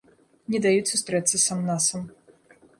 Не даюць сустрэцца сам-насам.